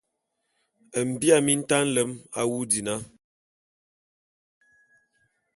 Mbia mintaé nlem awu dina!